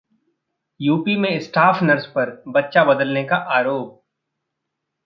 UP में staff nurse पर बच्चा बदलने का आरोप